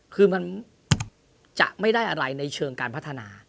คือมันจะไม่ได้อะไรในเชิงการพัฒนา